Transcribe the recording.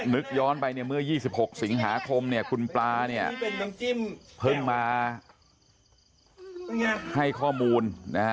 นึกย้อนไปเมื่อ๒๖สิงหาคมคุณปลาเนี่ยเพิ่งมาให้ข้อมูล